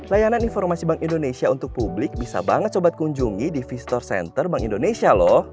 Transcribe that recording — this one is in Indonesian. layanan informasi bank indonesia untuk publik bisa banget coba kunjungi di vistor center bank indonesia loh